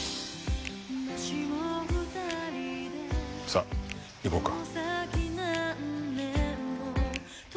さあ行こうか。